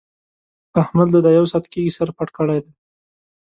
احمد له دا يو ساعت کېږي سر پټ کړی دی.